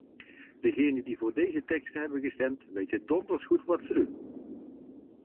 Degenen die voor deze teksten hebben gestemd, weten donders goed wat ze doen.